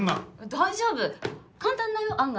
大丈夫簡単だよ案外。